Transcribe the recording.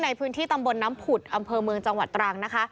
ในพื้นที่ตำบลน้ำผุดอำเภอเมืองจังหวัดตรังนะคะ